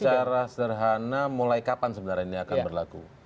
secara sederhana mulai kapan sebenarnya ini akan berlaku